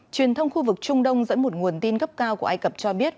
truyền thông khu vực trung đông dẫn một nguồn tin gấp cao của ai cập cho biết